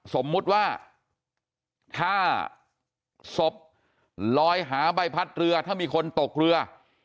สมมุติว่าถ้าศพลอยหาใบพัดเรือถ้ามีคนตกเรือ